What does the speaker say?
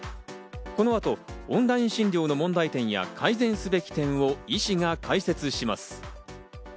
この後、オンライン診療の問題点や改善すべき点を医師が解説します。